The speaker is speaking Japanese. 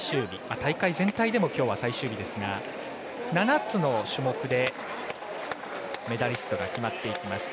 大会全体でもきょうが最終日ですが、７つの種目でメダリストが決まっていきます。